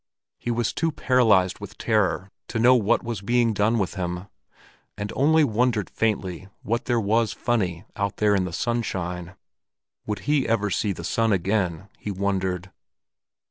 He was too paralyzed with terror to know what was being done with him, and only wondered faintly what there was funny out there in the sunshine. Would he ever see the sun again, he wondered?